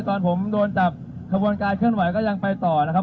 ตอนผมโดนจับขบวนการเคลื่อนไหวก็ยังไปต่อนะครับ